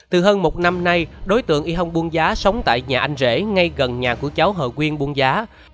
từ hơn một năm nay đối tượng y hong buong gia sống tại nhà anh rể ngay gần nhà của cháu hờ quyên buong gia